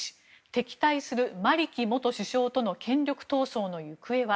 敵対するマリキ元首相との権力闘争の行方は。